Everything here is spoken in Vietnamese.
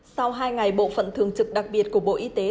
sau hai ngày bộ phận thường trực đặc biệt của bộ y tế